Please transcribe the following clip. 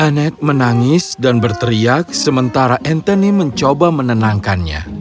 anet menangis dan berteriak sementara anthony mencoba menenangkannya